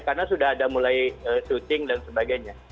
karena sudah ada mulai shooting dan sebagainya